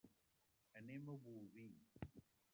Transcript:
Anem a Bolvir.